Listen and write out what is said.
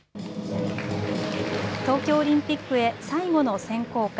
東京オリンピックへ最後の選考会。